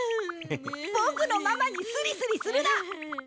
ボクのママにスリスリするな！